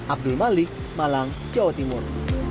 abdul malik malang jawa timur